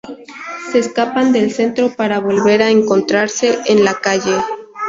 Se escapan del centro para volver a encontrarse en la calle.